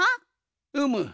うむ。